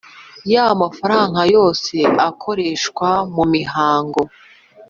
ya amafaranga yose akoreshwa mu mihango